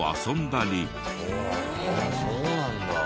そうなんだ。